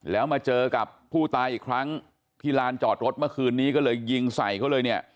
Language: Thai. แล้วมาเจอกับผู้ตายอีกครั้งที่ลานจอดรถเมื่อคืนนี้ก็เลยยิงใส่เขาเลยเนี่ย